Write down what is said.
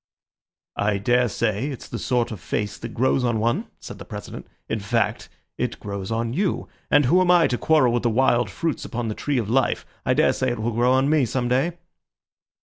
"I dare say it's the sort of face that grows on one," said the President, "in fact, it grows on you; and who am I to quarrel with the wild fruits upon the Tree of Life? I dare say it will grow on me some day."